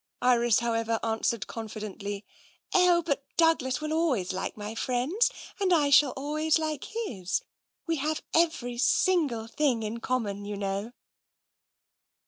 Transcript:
Iris, however, answered confidently, " Oh, but Douglas will always like my friends, and I shall always like his. We have every single thing in common, you know.''